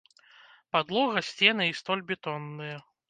Падлога, сцены і столь бетонныя.